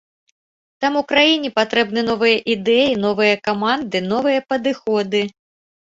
Таму краіне патрэбныя новыя ідэі, новыя каманды, новыя падыходы.